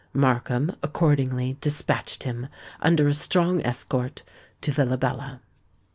Markham accordingly despatched him, under a strong escort, to Villabella.